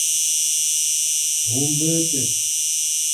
Huu mbé te.